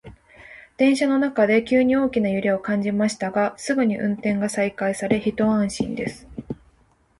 電車の中で急に大きな揺れを感じましたが、すぐに運転が再開されて一安心です。